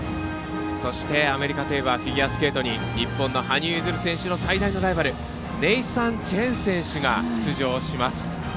そしてアメリカといえばフィギュアスケートに日本の羽生結弦選手の最大のライバルネイサン・チェン選手が出場します。